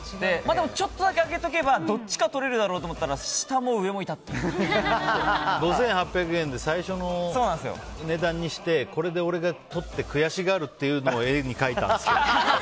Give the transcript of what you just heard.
でも、ちょっとだけ上げておけばどっちかとれるだろうと思ったら５８００円で最初の値段にしてこれで俺がとって悔しがるというのを絵に描いたんですよ。